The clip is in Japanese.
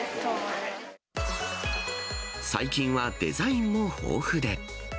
最近はデザインも豊富で。